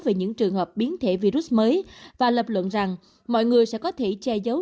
về những trường hợp biến thể virus mới và lập luận rằng mọi người sẽ có thể che giấu